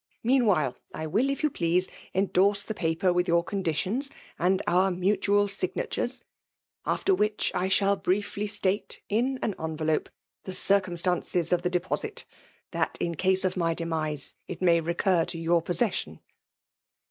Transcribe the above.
Meanwhile^ I will, if you please, endorse the paper with your conditions, and our mutual Mgnatores, After which I shaU briefly rtate, in an en rdope, the circumstances of the deposit ; that in case of my demise, it may recor to yo^r possession.